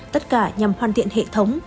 tất cả nhằm hoàn thiện hệ thống